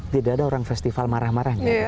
tidak ada orang festival marah marahnya